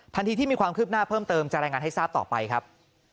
ทันทีที่มีความคืบหน้าเพิ่มเติมจะรายงานให้ทราบต่อไปครับ